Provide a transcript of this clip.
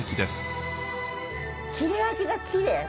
切れ味がきれい。